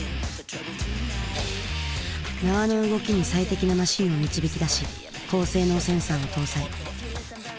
縄の動きに最適なマシンを導き出し高性能センサーを搭載。